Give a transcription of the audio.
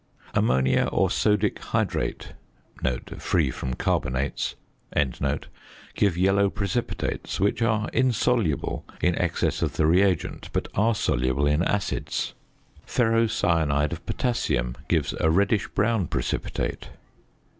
Ammonia or sodic hydrate (free from carbonates) give yellow precipitates, which are insoluble in excess of the reagent, but are soluble in acids. Ferrocyanide of potassium gives a reddish brown precipitate.